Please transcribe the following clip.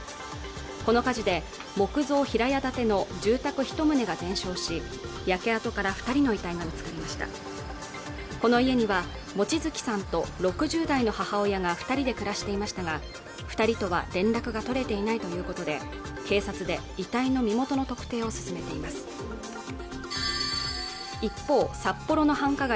この火事で木造平屋建ての住宅一棟が全焼し焼け跡から二人の遺体が見つかりましたこの家には望月さんと６０代の母親が二人で暮らしていましたが二人とは連絡が取れていないということで警察で遺体の身元の特定を進めています一方札幌の繁華街